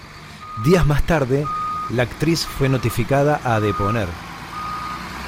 Días más tarde, la actriz fue notificada a deponer.